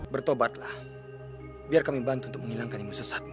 bertobatlah biar kami bantu menghilangkan sesatmu